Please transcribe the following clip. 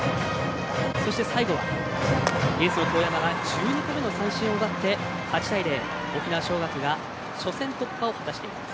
最後はエースの當山が１２個目の三振を奪って８対０で沖縄尚学が初戦突破を果たしています。